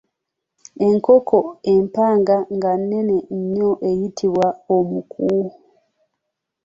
Enkoko empanga nga nnene nnyo eyitibwa Omukku.